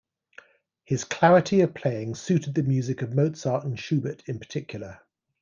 His clarity of playing suited the music of Mozart and Schubert in particular.